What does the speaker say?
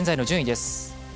現在の順位です。